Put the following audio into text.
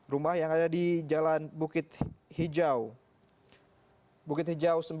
rumah yang ada di jalan bukit hijau sembilan